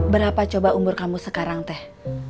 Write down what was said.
berapa coba umur kamu sekarang teh